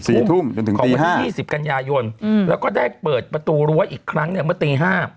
ชนจนถึงตี๕ของประมาณที่๒๐กัญญายนแล้วก็ได้เปิดประตูร้วชอีกครั้งเนี่ยเมื่ออาทิตย์๕